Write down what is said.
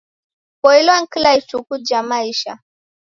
Poilwa kila ituku ja maisha.